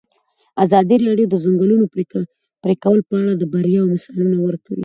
ازادي راډیو د د ځنګلونو پرېکول په اړه د بریاوو مثالونه ورکړي.